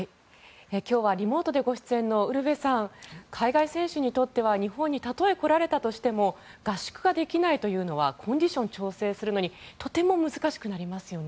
今日はリモートでご出演のウルヴェさん海外選手にとっては日本にたとえ来られたとしても合宿ができないのはコンディションを調整するのにとても難しくなりますよね。